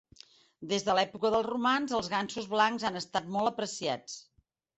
Des de l"època dels romans, els gansos blancs han estat molt apreciats.